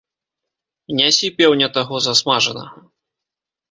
Нясі пеўня таго засмажанага.